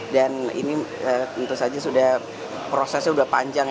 dan ini tentu saja prosesnya sudah panjang